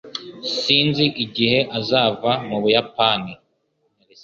Sinzi igihe azava mu Buyapani